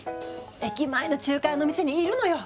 駅前の中華屋のお店にいるのよ